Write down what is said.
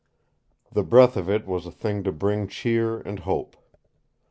The breath of it was a thing to bring cheer and hope.